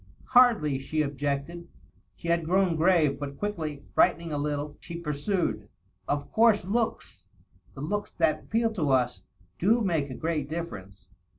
"Hardly," she objected. She had grown grave, but quickly, brightening a little, she pursued, "Of course looks — ^the looks that appeal to us — do make a great difierence.